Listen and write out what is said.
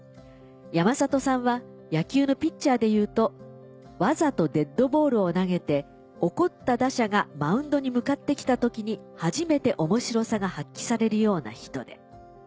「山里さんは野球のピッチャーでいうとわざとデッドボールを投げて怒った打者がマウンドに向かってきた時に初めて面白さが発揮されるような人で。